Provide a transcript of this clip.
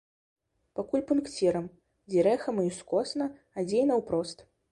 Пакуль пункцірам, дзе рэхам і ўскосна, а дзе і наўпрост.